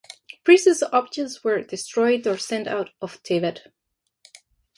Precious objects were destroyed or sent out of Tibet.